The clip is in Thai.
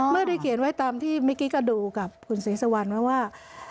ไม่ได้เขียนไว้ตามที่เมื่อกี้ก็ดูกับคุณศรีสุวรรณไว้ว่า